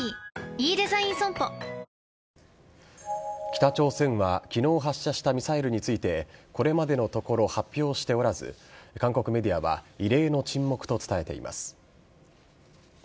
北朝鮮は昨日発射したミサイルについてこれまでのところ発表しておらず韓国メディアは異例の沈黙と伝えています。